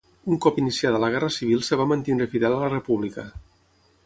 Un cop iniciada la Guerra civil es va mantenir fidel a la República.